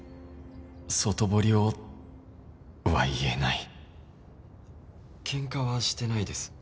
外堀をは言えない喧嘩はしてないです。